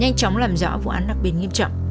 nhanh chóng làm rõ vụ án đặc biệt nghiêm trọng